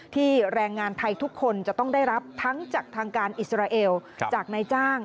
แรงงานไทยทุกคนจะต้องได้รับทั้งจากทางการอิสราเอลจากนายจ้าง